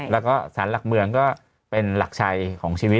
แล้วก็สารหลักเมืองก็เป็นหลักชัยของชีวิต